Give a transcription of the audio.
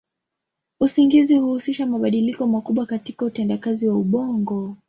Usingizi huhusisha mabadiliko makubwa katika utendakazi wa ubongo.